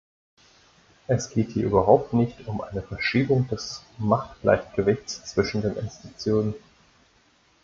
Es geht hier überhaupt nicht um eine Verschiebung des Machtgleichgewichts zwischen den Institutionen.